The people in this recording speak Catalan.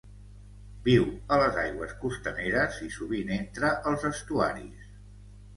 Viu a les aigües costaneres i sovint entra als estuaris.